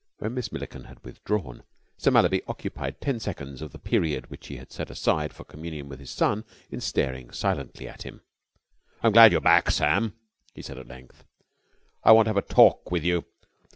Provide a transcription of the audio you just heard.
When Miss Milliken had withdrawn, Sir Mallaby occupied ten seconds of the period which he had set aside for communion with his son in staring silently at him. "I'm glad you're back, Sam," he said at length. "I want to have a talk with you.